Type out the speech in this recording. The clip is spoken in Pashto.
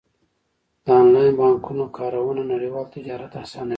د انلاین بانکونو کارونه نړیوال تجارت اسانوي.